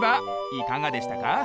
いかがでしたか？